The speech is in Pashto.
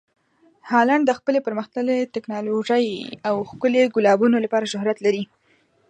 هالنډ د خپلې پرمخ تللې ټکنالوژۍ او ښکلي ګلابونو لپاره شهرت لري.